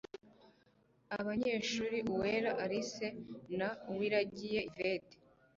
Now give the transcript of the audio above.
abanyeshuri uwera alice na uwiragiye yvette